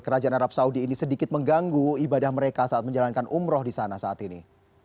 kerajaan arab saudi ini sedikit mengganggu ibadah mereka saat menjalankan umroh di sana saat ini